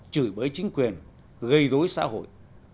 chửi bới chính quyền gây dối xã hội